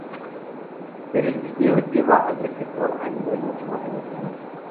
Pero el vídeo lleva al receptor a un nivel mucho más emocional".